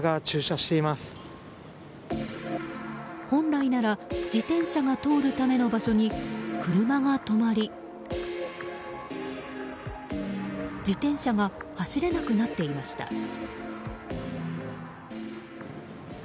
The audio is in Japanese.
本来なら自転車が通るための場所に車が止まり自転車が走れなくなっていました。